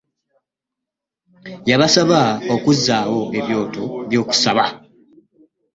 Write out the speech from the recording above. Yabasaba okuzzaawo ebyoto by'okusaba